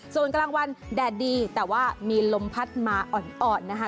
ส่วนกลางวันแดดดีแต่ว่ามีลมพัดมาอ่อนนะคะ